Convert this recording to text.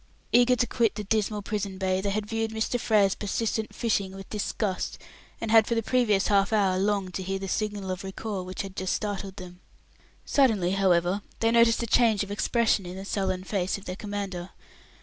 Eager to quit the dismal prison bay, they had viewed Mr Frere's persistent fishing with disgust, and had for the previous half hour longed to hear the signal of recall which had just startled them. Suddenly, however, they noticed a change of expression in the sullen face of their commander.